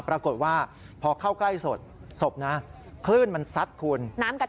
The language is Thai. ปรากฏว่าพอเข้าใกล้ศพศพนะคลื่นมันซัดคุณ